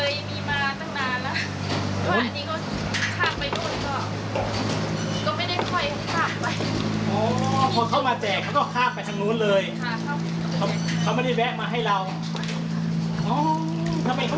อยู่บ้านลูกพอดีลูกมีเด็ก